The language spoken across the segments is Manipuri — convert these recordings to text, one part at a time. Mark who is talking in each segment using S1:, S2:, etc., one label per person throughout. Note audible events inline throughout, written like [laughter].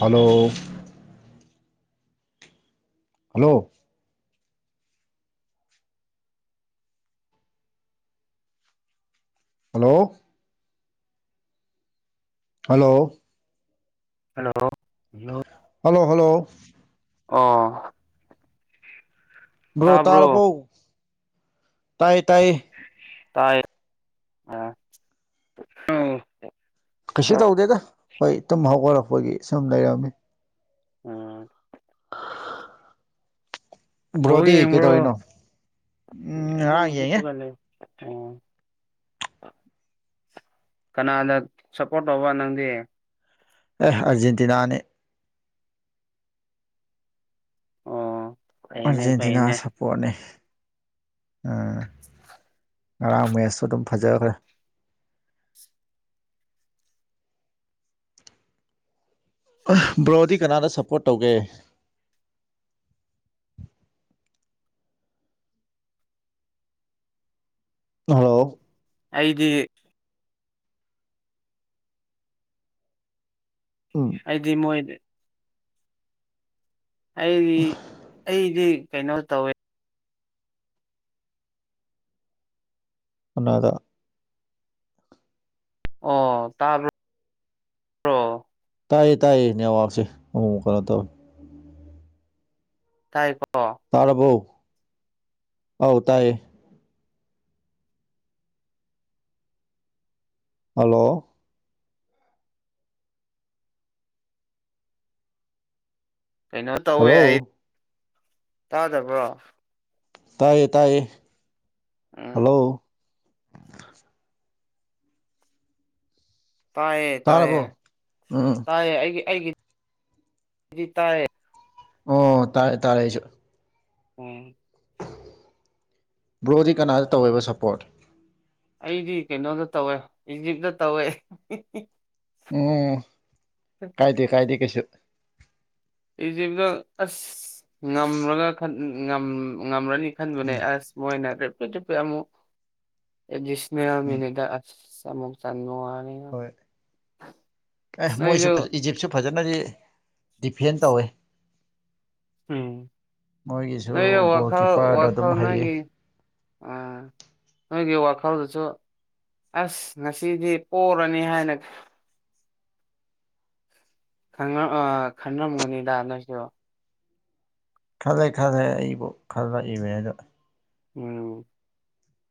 S1: hello hello hello hello
S2: hello hello
S1: hello hello
S2: ꯑꯣ
S1: ꯍꯂꯣ
S2: ꯇꯥꯕ꯭ꯔꯣ
S1: ꯇꯥꯔꯕꯣ ꯇꯥꯏ ꯇꯥꯏ
S2: ꯇꯥꯏꯌꯦ ꯑꯥ ꯑꯥꯎ
S1: ꯀꯩꯁꯨ ꯇꯧꯗꯦꯗ ꯍꯣꯏ ꯇꯨꯝ ꯍꯧꯒꯠꯂꯛꯄꯒꯤ ꯁꯨꯝ ꯂꯩꯔꯝꯃꯤ
S2: ꯑꯥ ꯕꯧ
S1: ꯕ꯭ꯔꯣꯗꯤ
S2: ꯌꯦꯡꯕ꯭ꯔꯣ
S1: ꯀꯩꯗꯧꯔꯤꯅꯣ ꯎꯝ
S2: ꯑꯗꯨ ꯑꯗꯨꯝ
S1: ꯉꯔꯥꯡ ꯌꯦꯡꯉꯦ
S2: ꯍꯦꯛꯄꯂ ꯎꯝ ꯀꯅꯥꯅ ꯁꯄꯣꯔꯠ ꯇꯧꯕ ꯅꯪꯗꯤ
S1: ꯑꯦ ꯑꯔꯖꯦꯟꯇꯤꯅꯥꯅꯦ
S2: ꯑꯣ ꯐꯩꯅꯦ
S1: ꯑꯔꯖꯦꯟꯇꯤꯅꯥ
S2: ꯐꯩꯅꯦ
S1: ꯁ ꯄꯣꯠꯅꯤ ꯉꯔꯥꯡ ꯃꯦꯠꯁꯁꯨ ꯑꯗꯨꯝ ꯐꯖꯕ ꯕ꯭ꯔꯣꯗꯤ ꯀꯅꯥꯗ ꯁꯞꯄꯣꯔꯠ ꯇꯧꯒꯦ ꯍꯜꯂꯣ
S2: ꯑꯩꯗꯤ
S1: ꯎꯝ
S2: ꯑꯩꯗꯤ ꯃꯣꯏ ꯑꯩꯗꯤ ꯑꯩꯗꯤ ꯀꯩꯅꯣ ꯇꯧꯋꯦ
S1: ꯀꯥꯅꯥꯗ
S2: ꯑꯣ ꯇꯥꯕ꯭ꯔꯣ ꯕꯔꯣ
S1: ꯇꯥꯏꯌꯦ ꯇꯥꯏꯌꯦ ꯅꯦꯋꯥꯛꯁꯦ ꯑꯃꯨꯛꯃꯨꯛ ꯀꯩꯅꯣ ꯇꯧꯋꯦ
S2: ꯇꯥꯏꯀꯣ
S1: ꯊꯥꯔꯕꯣ ꯑꯥꯎ ꯇꯥꯏꯌꯦ ꯍꯥꯜꯂꯣ
S2: ꯀꯩꯅꯣ ꯇꯧꯋꯦ
S1: ꯍꯜꯂꯣ
S2: ꯑꯩ ꯇꯥꯗꯕ꯭ꯔꯣ
S1: ꯇꯥꯏꯌꯦ ꯇꯥꯏꯌꯦ
S2: ꯎꯝ
S1: ꯍꯥꯜꯂꯣ
S2: ꯇꯥꯏꯌꯦ
S1: ꯇꯥꯔꯕꯣ
S2: ꯇꯥꯏꯌꯦ
S1: ꯎꯝ
S2: ꯇꯥꯏꯌꯦ ꯑꯩꯒꯤ ꯑꯩꯒꯤ ꯒꯤ ꯇꯥꯏꯌꯦ
S1: ꯑꯣ ꯇꯥꯔꯦ ꯇꯥꯔꯦ ꯑꯩꯁꯨ
S2: ꯑꯣ
S1: ꯕ꯭ꯔꯣꯗꯤ ꯀꯅꯥꯗ ꯇꯧꯋꯦꯕ ꯁꯞꯄꯣꯔꯠ
S2: ꯑꯩꯗꯤ ꯀꯩꯅꯣꯗ ꯇꯧꯋꯦ ꯏꯖꯤꯞꯇ ꯇꯧꯋꯦ
S1: ꯑꯣ ꯀꯥꯏꯗꯦ ꯀꯥꯏꯗꯦ ꯀꯩꯁꯨ
S2: ꯏꯖꯤꯞꯇꯣ ꯑꯁ ꯉꯝꯔꯒ ꯈꯟ ꯉꯝ ꯉꯝꯔꯅꯤ ꯈꯟꯕꯅꯦ
S1: ꯎꯝ
S2: ꯑꯁ ꯃꯣꯏꯅ ꯔꯦꯄꯤꯠ ꯔꯤꯄꯤꯠ ꯑꯃꯨꯛ ꯑꯦꯗꯤꯁ꯭ꯅꯦꯜ
S1: ꯎꯝ
S2: ꯃꯤꯅꯤꯠꯗ ꯑꯁ ꯑꯃꯨꯛ ꯆꯟꯕꯋꯅꯤ
S1: ꯍꯣꯏ ꯑꯦ
S2: ꯅꯣꯏꯁꯨ
S1: ꯃꯣꯏꯁꯨ ꯐꯖꯩ ꯏꯖꯤꯞꯁꯨ ꯐꯖꯅꯗꯤ ꯗꯤꯐꯦꯟ ꯇꯧꯋꯦ
S2: ꯎꯝ ꯅꯣꯏꯗ
S1: ꯃꯣꯏꯒꯤꯁꯨ ꯒꯣꯜ
S2: ꯋꯥꯈꯜ
S1: ꯀꯤꯞꯄꯔꯗꯣ
S2: ꯋꯥꯈꯜ
S1: ꯑꯗꯨꯝ ꯍꯩꯌꯦ
S2: ꯅꯣꯏꯒꯤ ꯑꯥ ꯅꯣꯏꯒꯤ ꯋꯥꯈꯜꯗꯁꯨ ꯑꯁ ꯉꯁꯤꯗꯤ ꯄꯣꯔꯅꯤ ꯍꯥꯏꯅ ꯈꯪꯔꯝ ꯑꯥ ꯈꯟꯔꯝꯒꯅꯤꯗ ꯅꯣꯏꯁꯨ
S1: ꯈꯜꯂꯦ ꯈꯜꯂꯦ ꯑꯩꯕꯨ ꯈꯜꯂꯛ ꯏꯕꯩ ꯑꯗꯨ
S2: ꯎꯝ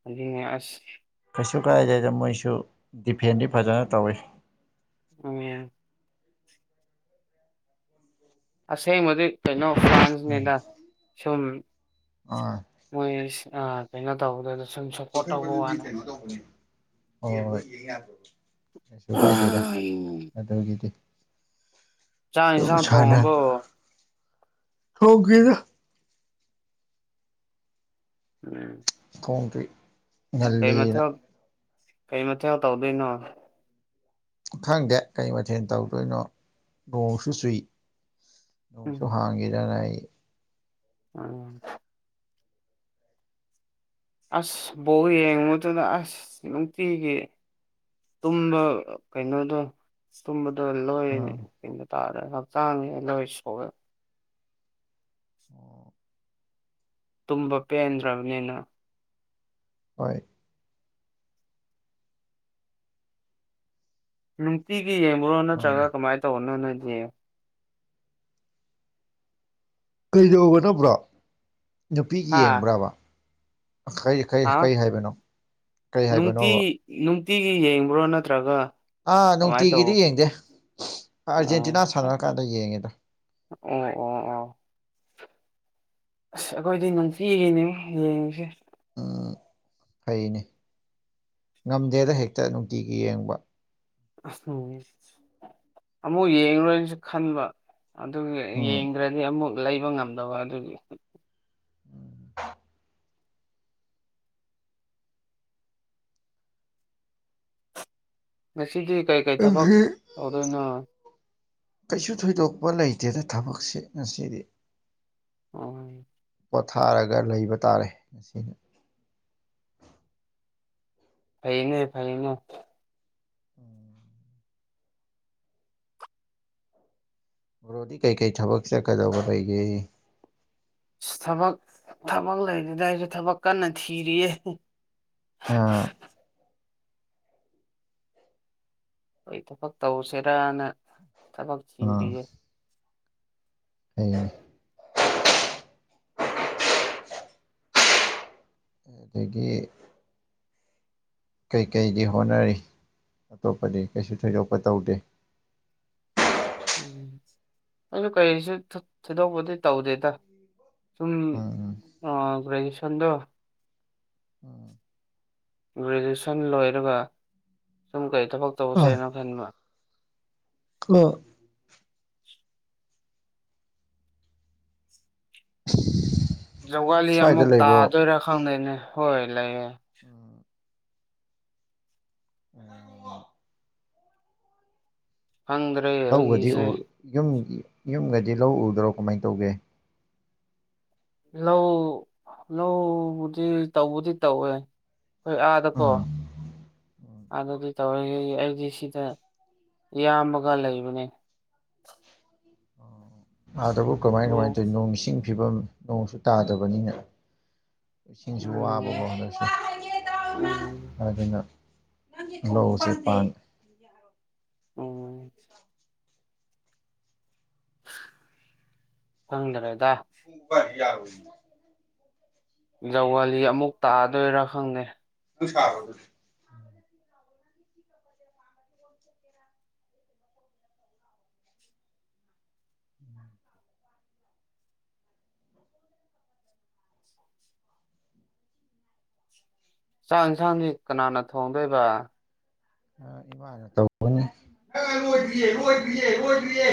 S2: ꯑꯗꯨꯅꯦ ꯑꯁ
S1: ꯀꯩꯁꯨ ꯀꯥꯏꯗꯦꯗ ꯃꯣꯏꯁꯨ ꯗꯤꯐꯦꯟꯗꯤ ꯐꯖꯅ ꯇꯧꯋꯤ
S2: ꯎꯝ ꯑꯁꯦꯡꯕꯗꯤ ꯀꯩꯅꯣ
S1: ꯎꯝ
S2: ꯐ꯭ꯔꯥꯟꯁꯅꯦꯗꯥ ꯁꯨꯝ
S1: ꯑꯥ
S2: ꯃꯣꯏꯁꯤ ꯑꯥ ꯀꯩꯅꯣ ꯇꯧꯕꯗꯨꯗ ꯁꯨꯝ ꯁꯞꯄꯣꯔꯠ ꯇꯧꯕ ꯋꯥꯅꯦ
S1: ꯑꯣ ꯀꯩꯁꯨ ꯀꯥꯏꯗꯦꯗꯥ ꯑꯗꯨꯒꯤꯗꯤ
S2: ꯆꯥꯛ
S1: ꯑꯗꯨꯝ
S2: ꯌꯦꯟꯁꯥꯡ
S1: ꯁꯥꯟꯅ
S2: ꯊꯣꯡꯉꯕꯣ
S1: ꯍꯧꯒꯦꯗꯥ
S2: ꯎꯝ
S1: ꯊꯣꯡꯗ꯭ꯔꯤ
S2: ꯀꯩ
S1: ꯉꯜꯂꯤꯅ
S2: ꯃꯊꯦꯜ ꯀꯩ ꯃꯊꯦꯜ ꯇꯧꯗꯣꯏꯅꯣ
S1: ꯈꯪꯗꯦ ꯀꯩ ꯃꯥꯊꯦꯟ ꯇꯧꯗꯣꯏꯅꯣ ꯅꯣꯡꯁꯨ ꯆꯨꯏ ꯁꯨ
S2: ꯎꯝ
S1: ꯍꯥꯡꯒꯤꯗꯥ ꯉꯥꯏ
S2: [unintelligible] ꯑꯁ ꯕꯣꯜ ꯌꯦꯡꯉꯨꯗꯥꯅ ꯑꯁ ꯅꯨꯡꯇꯤꯒꯤ ꯇꯨꯝꯕ ꯀꯩꯅꯣꯗꯣ ꯑꯁ ꯇꯨꯝꯕꯗꯣ ꯂꯣꯏ
S1: ꯑꯥ
S2: ꯀꯩꯅꯣ ꯇꯥꯔꯦ ꯍꯛꯆꯥꯡ ꯂꯣꯏ ꯁꯣꯛꯑꯦ
S1: [unintelligible]
S2: ꯇꯨꯝꯕ ꯄꯦꯟꯗ꯭ꯔꯕꯅꯤꯅ
S1: ꯍꯣꯏ
S2: ꯅꯨꯡꯇꯤꯒꯤ ꯌꯦꯡꯕ꯭ꯔꯣ ꯅꯠꯇ꯭ꯔꯒ
S1: ꯃꯥꯅꯤ
S2: ꯀꯃꯥꯏ ꯇꯧꯕꯅꯣ ꯅꯣꯏꯗꯤ
S1: ꯀꯩꯗꯧꯕꯅꯣ ꯕ꯭ꯔꯣ ꯅꯨꯄꯤ
S2: ꯍꯥ
S1: ꯌꯦꯡꯕ꯭ꯔꯕ ꯑꯈꯩ ꯀꯩ
S2: ꯍꯥ
S1: ꯀꯩ ꯍꯥꯏꯕꯅꯣ ꯀꯔꯤ
S2: ꯅꯨꯡꯇꯤ
S1: ꯍꯥꯏꯕꯅꯣꯕ
S2: ꯅꯨꯡꯇꯤꯒꯤ ꯌꯦꯡꯕ꯭ꯔꯣ ꯅꯠꯇ꯭ꯔꯒ
S1: ꯑꯥ
S2: ꯀꯃꯥꯏꯅ ꯇꯧ
S1: ꯅꯨꯡꯇꯤꯒꯤꯗꯤ ꯌꯦꯡꯗꯦ
S2: ꯑꯣ
S1: ꯑꯔꯖꯦꯟꯇꯤꯅꯥ ꯁꯥꯟꯅꯔ ꯀꯥꯟꯗ ꯌꯦꯡꯉꯦꯗꯥ
S2: ꯑꯣ ꯑꯣ ꯑꯣ ꯑꯁ ꯑꯩꯈꯣꯏꯗꯤ ꯅꯨꯡꯇꯤꯒꯤꯅꯤꯉꯣ ꯌꯦꯡꯉꯤꯁꯦ
S1: ꯎꯝ ꯐꯩꯅꯦ ꯉꯝꯗꯦꯗ ꯍꯦꯛꯇ ꯅꯨꯡꯇꯤꯒꯤ ꯌꯦꯡꯕ
S2: ꯑꯁ ꯑꯃꯨꯛ ꯌꯦꯡꯔꯥꯔꯣꯏꯅꯁꯨ ꯈꯟꯕ ꯑꯗꯨꯒꯤ
S1: ꯎꯝ
S2: ꯌꯦꯡꯗ꯭ꯔꯗꯤ ꯑꯃꯨꯛ ꯂꯩꯕ ꯉꯝꯗꯕ ꯑꯗꯨꯒꯤ
S1: [unintelligible]
S2: ꯉꯁꯤꯗꯤ ꯀꯩ ꯀꯩꯩ ꯊꯕꯛ
S1: ꯑꯩꯒꯤ
S2: ꯇꯧꯗꯣꯏꯅꯣ
S1: ꯀꯩꯁꯨ ꯊꯣꯏꯗꯣꯛꯄ ꯂꯩꯇꯦꯗ ꯊꯕꯛꯁꯦ ꯉꯁꯤꯗꯤ
S2: ꯎꯪ
S1: ꯄꯣꯊꯥꯔꯒ ꯂꯩꯕ ꯇꯥꯔꯦ ꯉꯁꯤꯗꯤ
S2: ꯐꯩꯅꯦ ꯐꯩꯅꯦ
S1: [inaudible] ꯕꯔꯣꯗꯤ ꯀꯩ ꯀꯩ ꯊꯕꯛ ꯆꯠꯀꯗꯧꯕ ꯂꯩꯒꯦ
S2: ꯊꯕꯛ ꯊꯕꯛ ꯂꯩꯇꯦꯗ ꯑꯩꯗꯤ ꯊꯕꯛ ꯀꯟꯅ ꯊꯤꯔꯤꯌꯦ
S1: ꯎꯝ
S2: ꯀꯩ ꯊꯕꯛ ꯇꯧꯁꯦꯔꯅ ꯊꯕꯛ ꯊꯤꯔꯤꯌꯦ
S1: ꯑꯩꯅ ꯑꯗꫭꯏꯗꯤ ꯀꯩꯀꯩꯗꯤ ꯍꯣꯠꯅꯔꯤ ꯑꯇꯣꯞꯄꯗꯤ ꯀꯩꯁꯨ ꯊꯣꯏꯗꯣꯛꯄ ꯇꯧꯗꯦ
S2: ꯎꯝ ꯑꯗꯣ ꯀꯩꯁꯨ ꯊꯣ ꯊꯣꯏꯗꯣꯛꯄꯗꯤ ꯇꯧꯗꯦꯗ ꯁꯨꯝ
S1: ꯎꯝ ꯎꯝ
S2: ꯒ꯭ꯔꯦꯖꯨꯑꯌꯦꯁꯟꯗꯣ
S1: [inaudible]
S2: ꯒ꯭ꯔꯦꯖꯨꯌꯦꯁꯟ ꯂꯣꯏꯔꯒ ꯁꯨꯝ ꯀꯩ ꯊꯕꯛ ꯇꯧꯁꯦꯅꯣ ꯈꯟꯕ
S1: ꯀꯣ ꯁꯤꯁ [unintelligible]
S2: ꯖꯧꯒꯂꯤ ꯑꯃꯨꯛ ꯇꯥꯗꯣꯏꯔꯥ ꯈꯪꯗꯦꯅꯦ ꯍꯣꯏ ꯂꯩꯌꯦ
S1: [inaudible] ꯀꯩꯇꯉꯝꯕ [unintelligible] ꯣ
S2: ꯈꯪꯗꯔꯦ
S1: ꯂꯧꯒꯗꯤ ꯑꯨ ꯌꯨꯝ ꯌꯨꯒꯗꯤ ꯂꯧ ꯎꯗ꯭ꯔꯣ ꯀꯃꯥꯏꯅ ꯇꯧꯒꯦ
S2: ꯂꯧ ꯂꯧꯕꯨꯗꯤ ꯇꯧꯕꯗꯤ ꯇꯧꯋꯦ ꯈꯣꯏ ꯑꯥꯗꯀꯣ
S1: ꯎꯝ
S2: ꯑꯥꯗꯗꯤ ꯇꯧꯔꯤ ꯑꯩꯗꯤ ꯁꯤꯗ ꯏꯌꯥꯝꯕꯒ ꯂꯩꯕꯅꯦ
S1: ꯑꯥꯗꯕꯨ ꯀꯃꯥꯏ ꯀꯃꯥꯏꯅ
S2: ꯎꯝ
S1: ꯇꯧꯏꯅꯣ ꯏꯁꯤꯡ ꯐꯤꯚꯝ ꯅꯣꯡꯁꯨ ꯇꯥꯗꯕꯅꯤꯅ ꯏꯁꯤꯡꯁꯨ ꯋꯥ
S2: ꯎꯝ
S1: ꯑꯗꯨꯅ ꯂꯧ ꯁꯤꯄꯥꯟ [unintelligible] [inaudible]
S2: ꯎꯝ ꯈꯪꯗꯔꯦꯗ
S1: ꯃꯨꯕ ꯌꯥꯔꯣꯏ
S2: ꯖꯧꯋꯥꯂꯤ ꯑꯃꯨꯛ ꯇꯥꯗꯣꯏꯔꯥ ꯈꯪꯅꯦ
S1: ꯑꯗꯨꯁꯥꯕꯗ [inaudible]
S2: ꯆꯥꯛ ꯌꯦꯟꯁꯥꯡꯗꯤ ꯀꯅꯥꯅ ꯊꯣꯡꯗꯣꯏꯕ
S1: ꯏꯃꯥꯏ ꯇꯧꯕꯅꯦ ꯂꯣꯏꯗꯔꯤꯌꯦ ꯂꯣꯏꯗꯔꯤꯌꯦ ꯂꯣꯏꯗꯔꯤꯌꯦ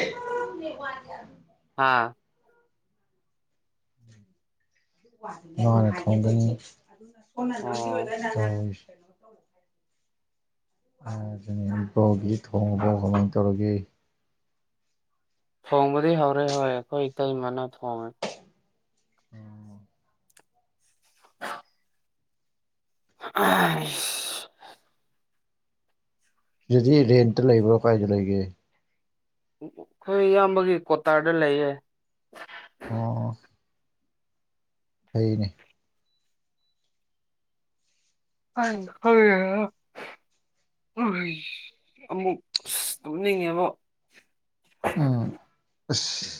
S1: ꯕꯦꯛ ꯌꯥꯟꯆ [unintelligible]
S2: ꯍꯥꯥ
S1: ꯃꯥꯅ ꯊꯣꯡꯒꯅꯤ
S2: ꯑꯣ
S1: [unintelligible] ꯑꯪ ꯕꯔꯣꯒꯤꯗꯤ ꯊꯣꯡꯉꯕꯔꯣ ꯀꯃꯥꯏ ꯇꯧꯔꯒꯦ
S2: ꯊꯣꯡꯕꯗꯤ ꯍꯧꯔꯦ ꯍꯣꯏ ꯑꯩꯈꯣꯏ ꯏꯇꯩꯃꯅ ꯊꯣꯡꯉꯦ
S1: [inaudible]
S2: [inaudible] ꯑꯥ ꯏꯁ
S1: ꯖꯤꯗꯤ ꯔꯦꯟꯇ ꯂꯩꯕ꯭ꯔꯣ ꯀꯥꯏꯗ ꯂꯩꯒꯦ
S2: ꯑꯩꯈꯣꯏ ꯏꯌꯥꯝꯕꯒꯤ ꯀꯣꯇꯥꯔꯗ ꯂꯩꯌꯦ
S1: ꯑꯣ ꯑꯣ ꯐꯩꯅꯦ
S2: [inaudible] ꯑꯃꯨꯛ ꯑꯁ ꯇꯨꯝꯅꯤꯡꯉꯦꯕꯣ
S1: ꯎꯝ ꯑꯁ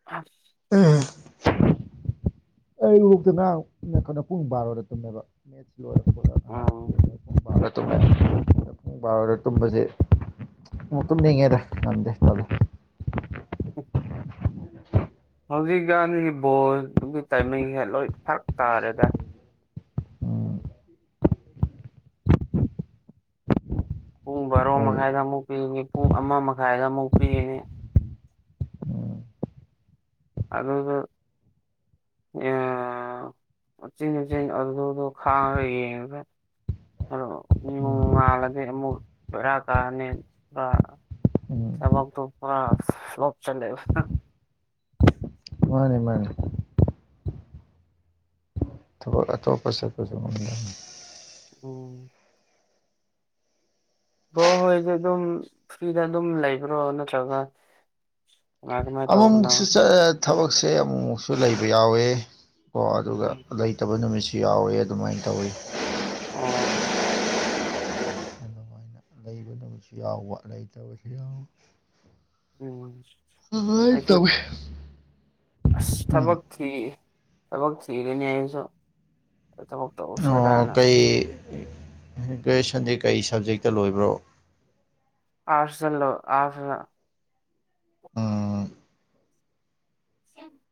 S2: [inaudible]
S1: [inaudible] ꯑꯩ ꯕꯣꯛꯇ ꯉꯔꯥꯡ [unintelligible] ꯄꯨꯡ ꯕꯥꯔꯣꯗ ꯇꯝꯃꯦꯕ ꯃꯦꯠꯁ ꯂꯣꯏ
S2: ꯎꯝ
S1: ꯕꯥꯔꯣꯗ ꯇꯨꯝꯃꯦ ꯄꯨꯡ ꯕꯔꯣꯗ ꯇꯨꯝꯕꯁꯤ ꯑꯃꯣꯛ ꯇꯨꯝꯅꯤꯡꯉꯦꯗ ꯉꯝꯗꯦ [unintelligible]
S2: [inaudible] ꯍꯧꯖꯤꯛꯀꯥꯟꯒꯤ ꯕꯣꯜꯗꯨꯒꯤ ꯇꯥꯏꯃꯤꯡꯁꯦ ꯂꯣꯏ ꯐꯔꯛ ꯇꯥꯔꯦꯗ
S1: ꯎꯝ
S2: ꯄꯨꯡ ꯕꯥꯔꯣ
S1: ꯍꯣꯏ
S2: ꯃꯈꯥꯏꯗ ꯑꯃꯨꯛ ꯄꯤꯅꯤ ꯄꯨꯡ ꯑꯃ ꯃꯈꯥꯏꯗ ꯑꯃꯨꯛ ꯄꯤꯔꯤꯅꯤ
S1: ꯎꯝ
S2: ꯑꯗꯨꯗꯣ ꯎꯆꯤꯟ ꯅꯆꯤꯟ ꯑꯗꯨꯗꯣ ꯈꯥꯡꯉꯒ ꯌꯦꯡꯉꯒ ꯑꯗꯣ
S1: ꯎꯝ
S2: ꯅꯣꯡꯉꯥꯜꯂꯗꯤ ꯑꯃꯨꯛ ꯕꯦꯔꯥ ꯀꯥꯅꯦꯕ
S1: ꯎꯝ
S2: ꯊꯥꯕꯥꯛꯇꯣ ꯈꯔꯥ ꯏꯁꯂꯣꯞ ꯆꯠꯂꯦꯕ
S1: ꯃꯥꯅꯦ ꯃꯥꯅꯦ ꯊꯥꯕꯥꯛ ꯑꯇꯣꯞꯄ ꯁꯛꯄꯁꯨ ꯉꯝꯃꯤ
S2: ꯑꯣ ꯕꯔꯣ ꯍꯣꯏꯗꯤ ꯑꯗꯨꯝ ꯐ꯭ꯔꯤꯗ ꯑꯗꯨꯝ ꯂꯩꯕ꯭ꯔꯣ ꯅꯠꯇ꯭ꯔꯒ ꯀꯃꯥꯏ ꯀꯃꯥꯏ
S1: ꯑꯃꯣꯛ
S2: ꯇꯧꯕꯅꯣ
S1: ꯃꯨꯛꯁꯨ ꯆꯠꯑꯦ ꯊꯕꯛꯁꯦ ꯑꯃꯨꯛꯃꯨꯛꯁꯨ ꯂꯩꯕ ꯌꯥꯎꯋꯦ ꯀꯣ ꯑꯗꯨꯒ
S2: ꯎꯝ
S1: ꯇꯕ ꯅꯨꯃꯤꯠꯁꯨ ꯌꯥꯎꯋꯦ ꯑꯗꯨꯃꯥꯏꯅ ꯇꯧꯋꯤ
S2: ꯑꯣ
S1: ꯂꯩꯕꯗꯃꯁꯨ ꯌꯥꯎꯕ ꯂꯩꯇꯕꯁꯨ ꯌꯥꯎꯏ
S2: ꯎꯝ ꯑꯩꯁꯨ
S1: [unintelligible]
S2: ꯑꯁ
S1: ꯎꯝ
S2: ꯊꯕꯛ ꯊꯤ ꯊꯕꯛ ꯊꯤꯔꯅꯤ ꯑꯩꯁꯨ
S1: ꯑꯣ
S2: ꯇꯧꯁꯤꯔꯅ
S1: ꯀꯩ ꯒ꯭ꯔꯦꯅꯣꯏꯁꯟꯗꯤ ꯀꯩ ꯁꯕꯖꯦꯛꯇ ꯂꯣꯏꯕ꯭ꯔꯣ
S2: ꯑꯥꯔꯁ ꯂꯣꯏ ꯑꯥꯔꯁꯇ
S1: ꯎꯝ
S2: [inaudible]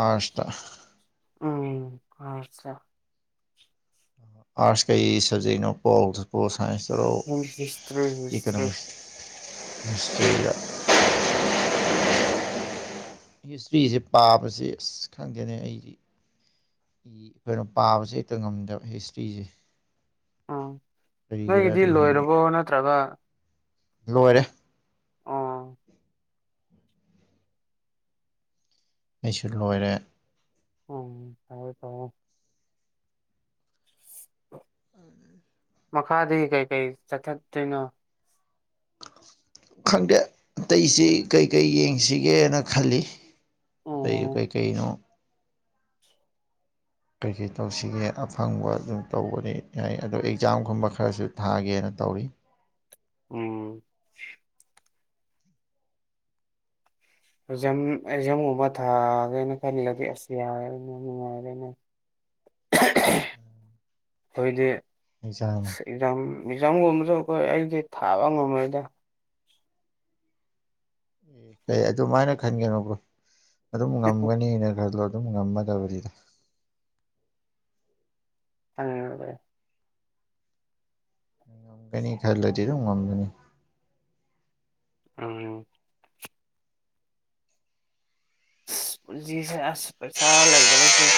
S1: ꯑꯥꯔꯁꯇ
S2: ꯎꯝ ꯑꯥꯔꯁꯇ
S1: ꯑꯥꯔꯁ ꯀꯩ ꯁꯕꯖꯦꯛꯅꯣ ꯄꯣꯄꯣ ꯁꯥꯏꯟꯁꯇꯔꯣ
S2: ꯍꯤꯁꯇ꯭ꯔꯤ ꯍꯤꯁꯇ꯭ꯔꯤ
S1: ꯏꯀꯣꯅꯣꯃꯤꯛꯁ ꯑꯁ ꯑꯗꯨꯗꯤ ꯌꯥꯝ
S2: [inaudible]
S1: ꯑꯦꯁꯄꯤꯁꯦ ꯄꯥꯕꯁꯤ ꯑꯁ ꯈꯪꯗꯦꯅꯦ ꯑꯩꯖꯤ ꯑꯩꯈꯣꯏꯒꯤ ꯀꯩꯅꯣ ꯄꯥꯕꯁꯦ ꯍꯦꯛꯇ ꯉꯝꯗꯕ ꯍꯤꯁꯇ꯭ꯔꯤꯁꯦ
S2: ꯎꯝ ꯅꯣꯏꯒꯤꯗꯤ
S1: ꯀꯔꯤꯒꯤꯔꯗꯤ ꯈꯪꯗꯦ
S2: ꯂꯣꯏꯔꯕꯣ ꯅꯠꯇ꯭ꯔꯒ
S1: ꯂꯣꯏꯔꯦ
S2: ꯑꯣ
S1: ꯑꯩꯁꯨ ꯂꯣꯏꯔꯦ
S2: ꯎꯝ ꯇꯧꯋꯦ ꯇꯧꯔꯣ [inaudible] ꯃꯈꯥꯗꯒꯤ ꯀꯩ ꯀꯩ ꯆꯠꯊꯠꯇꯨꯏꯅꯣ
S1: ꯈꯪꯗꯦ ꯑꯇꯩꯁꯤ ꯀꯩꯀꯩ ꯌꯦꯡꯁꯤꯒꯦꯅ ꯈꯜꯂꯤ ꯑꯇꯩꯗꯨ
S2: ꯑꯣ
S1: ꯀꯩꯀꯩꯅꯣ ꯀꯔꯤ ꯀꯔꯤ ꯇꯧꯁꯤꯒꯦ ꯑꯐꯪꯕ ꯑꯗꯨꯝ ꯇꯧꯕꯅꯤ ꯍꯥꯏ ꯑꯗꯣ ꯑꯦꯛꯖꯥꯝꯒꯨꯝꯕ ꯈꯔꯁꯨ ꯊꯥꯒꯦꯅ ꯇꯧꯔꯤ
S2: ꯎꯝ ꯑꯦꯛꯖꯥꯝ ꯑꯦꯛꯖꯥꯝ ꯒꯨꯝꯕ ꯊꯥꯒꯦꯅ ꯈꯜꯂꯗꯤ ꯑꯁ ꯌꯥꯔꯦꯅ ꯅꯨꯡꯉꯥꯏꯔꯦꯅ ꯈꯣꯏꯗꯤ
S1: [unintelligible]
S2: ꯑꯦꯛꯖꯥꯝ ꯑꯦꯛꯖꯥꯝꯒꯨꯝꯕꯁꯨ ꯑꯈꯣꯏ ꯑꯩꯗꯤ ꯊꯥꯕ ꯉꯝꯃꯣꯏꯗ
S1: ꯑꯦ ꯑꯗꯨꯃꯥꯏꯅ ꯈꯟꯒꯅꯣꯕ ꯑꯗꯨꯝ ꯉꯝꯒꯅꯤꯅ ꯈꯜꯂꯣ ꯑꯗꯨꯝ ꯉꯝꯃꯗꯕꯅꯤ
S2: [unintelligible]
S1: ꯑꯦꯅꯤ ꯈꯜꯂꯗꯤ ꯑꯗꯨꯝ ꯉꯝꯒꯅꯤ
S2: ꯎꯝ ꯄꯨꯟꯁꯤꯁꯦ ꯑꯁ ꯄꯩꯁꯥ ꯂꯩꯕ [unintelligible]